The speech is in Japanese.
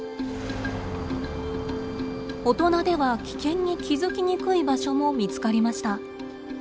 大人では危険に気づきにくい場所も見つかりました。